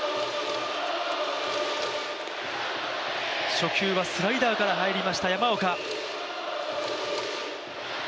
初球はスライダーから入りました山岡。